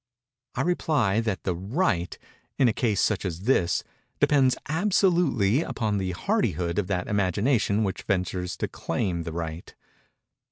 I reply that the "right," in a case such as this, depends absolutely upon the hardihood of that imagination which ventures to claim the right.